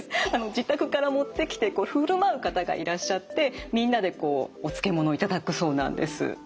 自宅から持ってきて振る舞う方がいらっしゃってみんなでこうお漬物を頂くそうなんです。